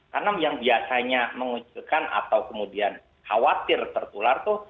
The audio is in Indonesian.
karena yang biasanya mengucilkan atau kemudian khawatir tertular itu